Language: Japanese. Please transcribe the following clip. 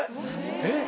えっ？